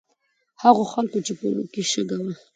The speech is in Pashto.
هغو خلکو چې په اوړو کې یې شګه وه.